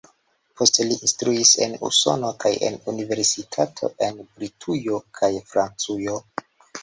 Poste li instruis en Usono kaj en universitatoj en Britujo kaj Francujo.